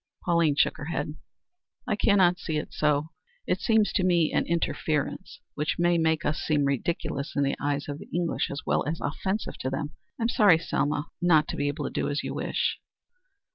Pauline shook her head. "I cannot see it so. It seems to me an interference which may make us seem ridiculous in the eyes of the English, as well as offensive to them. I am sorry, Selma, not to be able to do as you wish."